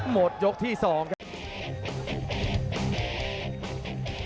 หมดยกที่๒ครับ